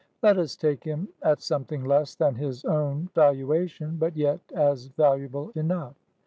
Let us take him at something less than his own valua tion, but yet as valuable enough.